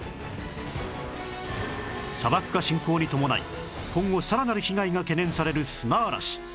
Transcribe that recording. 砂漠化進行に伴い今後さらなる被害が懸念される砂嵐